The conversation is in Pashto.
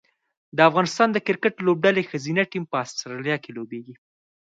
د افغانستان د کرکټ لوبډلې ښځینه ټیم په اسټرالیا کې لوبیږي